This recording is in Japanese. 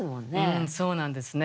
うんそうなんですね。